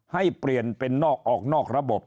ให้เปลี่ยนเป็นนอกออกนอกระบบ